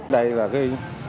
đây là cái